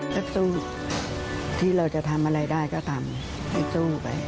นักสู้ที่เราจะทำอะไรได้ก็ทำให้สู้ไป